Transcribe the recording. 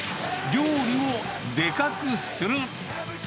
料理をでかくする。